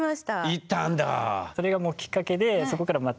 行ったんだあ。